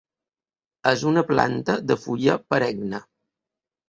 És una planta de fulla perenne.